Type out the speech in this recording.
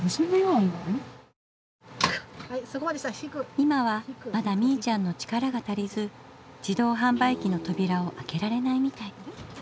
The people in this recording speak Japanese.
今はまだみいちゃんの力が足りず自動販売機のとびらを開けられないみたい。